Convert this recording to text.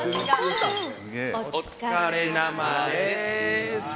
お疲れ生でーす。